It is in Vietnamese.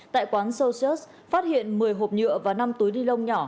tại quán social phát hiện một mươi hộp nhựa và năm túi đi lông nhỏ